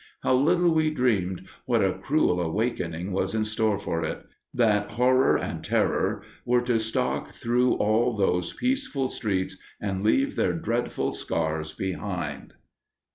How little we dreamed what a cruel awakening was in store for it; that horror and terror were to stalk through all those peaceful streets and leave their dreadful scars behind!